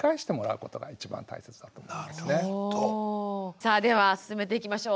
さあでは進めていきましょう。